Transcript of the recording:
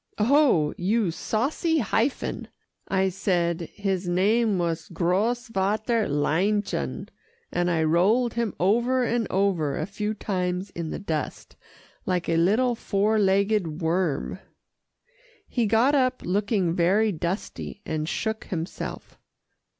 "Oh! you saucy hyphen," I said his name was Grosvater Leinchen, and I rolled him over and over a few times in the dust, like a little four legged worm. He got up, looking very dusty, and shook himself.